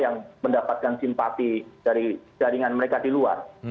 yang mendapatkan simpati dari jaringan mereka di luar